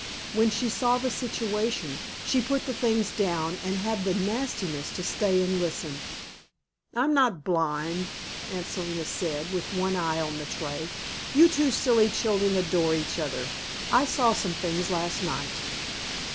When she saw the situation, she put the things down and had the nastiness to stay and listen. "I'm not blind," Aunt Selina said, with one eye on the tray. "You two silly children adore each other; I saw some things last night."